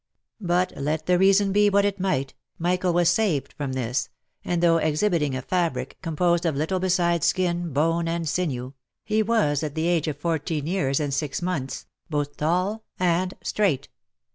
But let the reason be what it might, Michael was saved from this, and though exhibiting a fabric, composed of little besides skin, bone, and sinew, he was, at the age of fourteen years and six months, both tall and straight.